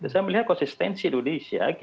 saya melihat konsistensi indonesia